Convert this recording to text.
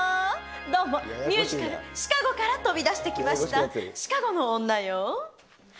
どうも、ミュージカル、シカゴから飛び出してきました、シカゴの女よ。